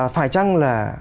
phải chăng là